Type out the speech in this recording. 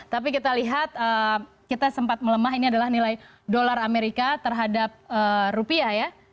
tapi kita lihat kita sempat melemah ini adalah nilai dolar amerika terhadap rupiah ya